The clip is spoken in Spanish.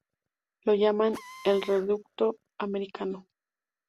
Lo llaman el "Reducto Americano".